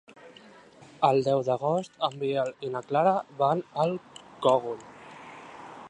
El deu d'agost en Biel i na Clara van al Cogul.